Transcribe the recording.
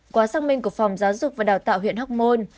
qua xác minh của phòng giáo dục và đào tạo huyện hóc môn